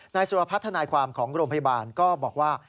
สุรพัฒนาความของโรงพยาบาลก็บอกว่า